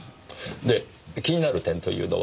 で気になる点というのは？